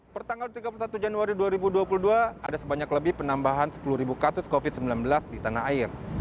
pertanggal tiga puluh satu januari dua ribu dua puluh dua ada sebanyak lebih penambahan sepuluh kasus covid sembilan belas di tanah air